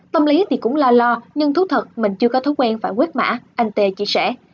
tâm lý thì cũng lo nhưng thú thật mình chưa có thói quen phải quét mã anh tê chia sẻ